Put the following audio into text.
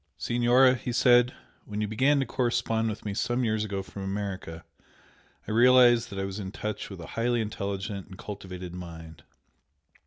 "Signora," he said "When you began to correspond with me some years ago from America, I realised that I was in touch with a highly intelligent and cultivated mind.